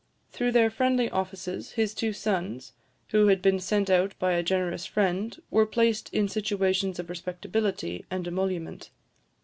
Through their friendly offices, his two sons, who had been sent out by a generous friend, were placed in situations of respectability and emolument.